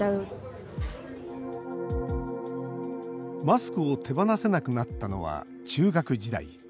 マスクを手放せなくなったのは中学時代。